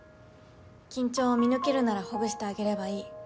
緊張を見抜けるならほぐしてあげればいい。